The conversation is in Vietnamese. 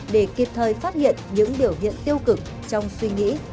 để kịp thời phát hiện những biểu hiện tiêu cực trong suy nghĩ